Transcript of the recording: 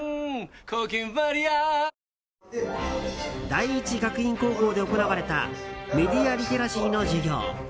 第一学院高校で行われたメディアリテラシーの授業。